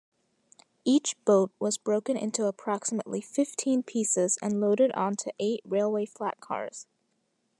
Each boat was broken into approximately fifteen pieces and loaded onto eight railway flatcars.